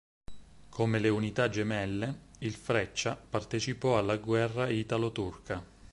Come le unità gemelle, il "Freccia" partecipò alla guerra italo-turca.